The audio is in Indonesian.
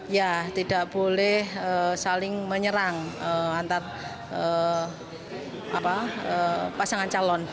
ya tidak boleh saling menyerang antar pasangan calon